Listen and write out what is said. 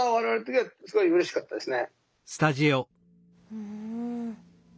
うん。